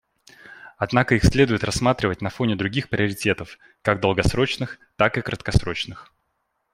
Однако их следует рассматривать на фоне других приоритетов, как долгосрочных, так и краткосрочных.